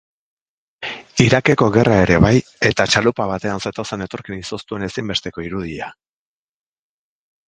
Irakeko gerra ere bai, eta txalupa batean zetozen etorkin izoztuen ezinbesteko irudia.